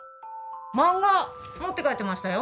漫画持って帰ってましたよ